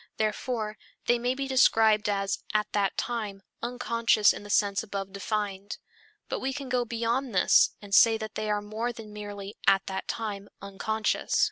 Therefore, they may be described as "at that time" unconscious in the sense above defined. But we can go beyond this and say that they are more than merely "at that time" unconscious.